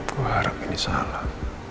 gue harap ini salah